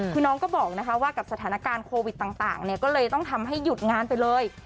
คือน้องก็บอกว่ากับสถานการณ์โควิดต่างก็เลยต้องทำให้หยุดงานไปเลย